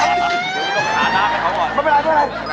ไม่ต้องขาดหน้าให้เขาก่อน